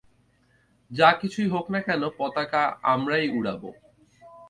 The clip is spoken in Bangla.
যা কিছুই হোক না কেন, পতাকা আমরাই উড়াব।